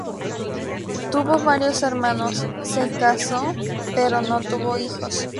Tuvo varios hermanos, se casó pero no tuvo hijos.